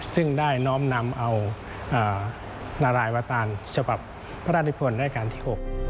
ซึ่งได้น้อมนำเอานารายวตารฉบับพระราชนิพลรายการที่๖